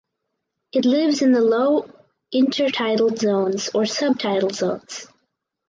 It lives in the low intertidal zones or subtidal zones.